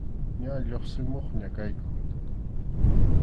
Ña lluqsimuqña kayku.